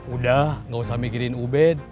udah gak usah mikirin ubed